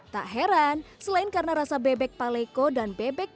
tak heran selain karena rasa bebek paleko dan bebek